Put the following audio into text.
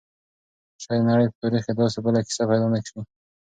شاید د نړۍ په تاریخ کې داسې بله کیسه پیدا نه شي.